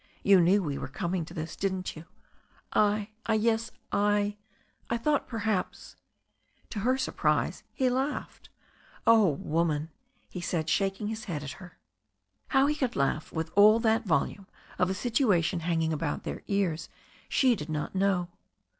You knew we were coming to this, didn't you?" "I — I — ^yes — I thought, perhaps *' To her surprise he laughed ''Oh, woman," he said, shaking his head at her. How h« could laugh with all that volume of a situation hanging about their ears she did not know.